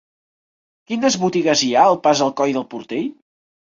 Quines botigues hi ha al pas del Coll del Portell?